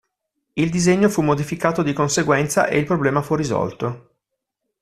Il disegno fu modificato di conseguenza e il problema fu risolto.